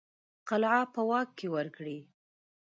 قلعه په واک کې ورکړي.